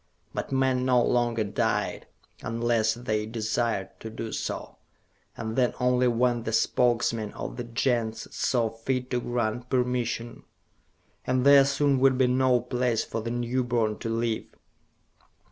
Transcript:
But men no longer died, unless they desired to do so, and then only when the Spokesmen of the Gens saw fit to grant permission; and there soon would be no place for the newborn to live.